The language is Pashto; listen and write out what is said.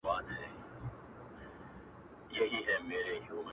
o مشره زه يم کونه د دادا لو ده٫